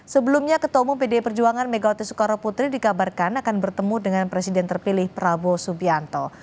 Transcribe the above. sebelumnya ketemu pdi perjuangan megawati soekaroputri dikabarkan akan bertemu dengan presiden terpilih prabowo subianto